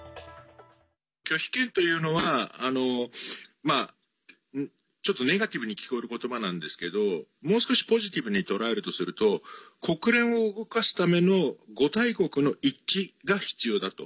拒否権というのはちょっとネガティブに聞こえることばなんですけどもう少しポジティブに捉えるとすると国連を動かすための５大国の一致が必要だと。